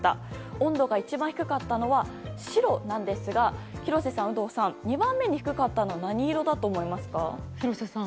温度が一番低かったのは白なんですが廣瀬さん、有働さん２番目に低かったのは廣瀬さん。